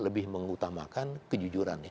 lebih mengutamakan kejujuran